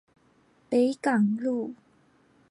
北港路